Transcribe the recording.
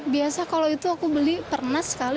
biasa kalau itu aku beli pernah sekali